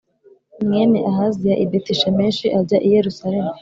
mwene Ahaziya i Betishemeshi ajya i Yerusalemu